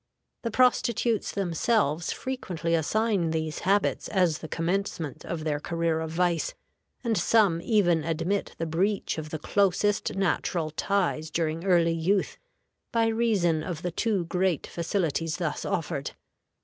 The prostitutes themselves frequently assign these habits as the commencement of their career of vice, and some even admit the breach of the closest natural ties during early youth, by reason of the too great facilities thus offered.